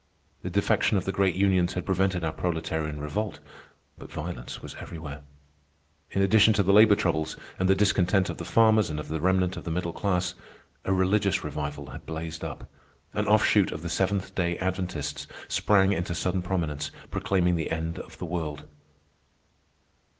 The defection of the great unions had prevented our proletarian revolt, but violence was everywhere. In addition to the labor troubles, and the discontent of the farmers and of the remnant of the middle class, a religious revival had blazed up. An offshoot of the Seventh Day Adventists sprang into sudden prominence, proclaiming the end of the world.